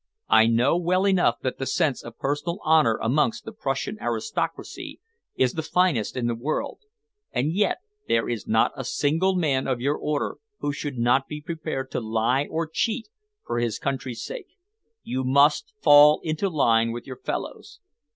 I know well enough that the sense of personal honour amongst the Prussian aristocracy is the finest in the world, and yet there is not a single man of your order who should not be prepared to lie or cheat for his country's sake. You must fall into line with your fellows.